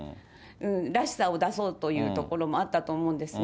らしさを出そうというところもあったと思うんですね。